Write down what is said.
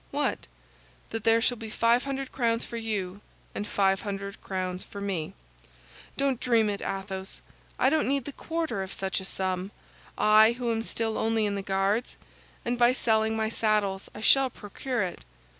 "What?" "That there shall be five hundred crowns for you, and five hundred crowns for me." "Don't dream it, Athos. I don't need the quarter of such a sum—I who am still only in the Guards—and by selling my saddles, I shall procure it.